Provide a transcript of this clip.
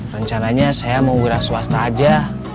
rencananya saya mau wira swasta aja